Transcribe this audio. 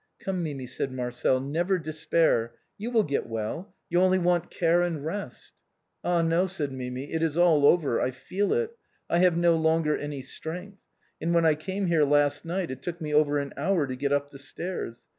"Come, Mimi," said Marcel, "never despair, you will get well, you only want care and rest." "Ah ! no," said Mimi, " it is all over, I feel it. I have no longer any strength, and when I came here last night it took me over an hour to get up the stairs.